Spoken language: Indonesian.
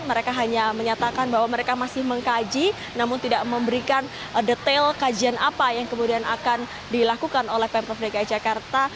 mereka hanya menyatakan bahwa mereka masih mengkaji namun tidak memberikan detail kajian apa yang kemudian akan dilakukan oleh pemprov dki jakarta